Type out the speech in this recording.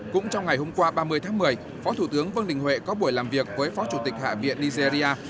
cũng trong ngày hôm qua ba mươi tháng một mươi phó thủ tướng vương đình huệ có buổi làm việc với phó chủ tịch hạ viện nigeria